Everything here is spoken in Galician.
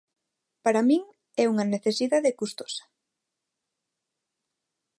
Para min é unha necesidade custosa.